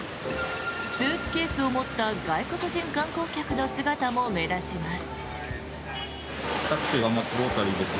スーツケースを持った外国人観光客の姿も目立ちます。